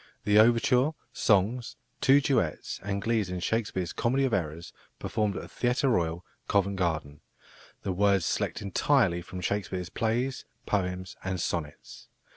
"The overture, songs, two duets, and glees in Shakespeare's Comedy of Errors, performed at the Theatre Royal, Covent Garden; the words selected entirely from Shakespeare's Plays, Poems, and Sonnets.